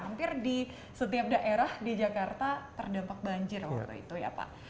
hampir di setiap daerah di jakarta terdampak banjir waktu itu ya pak